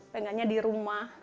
pengennya di rumah